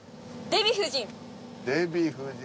デヴィ夫人。